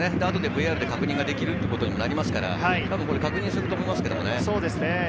あとでＶＡＲで確認ができるということになりますから、たぶん確認すると思います。